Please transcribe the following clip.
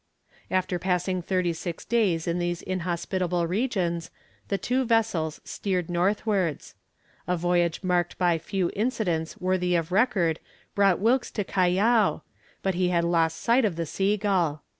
After passing thirty six days in these inhospitable regions the two vessels steered northwards. A voyage marked by few incidents worthy of record brought Wilkes to Callao, but he had lost sight of the Sea Gull.